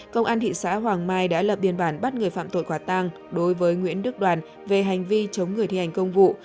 công an thị xã hoàng mai đã lập biên bản bắt người phạm tội quả tang đối với nguyễn đức đoàn về hành vi chống người thi hành công vụ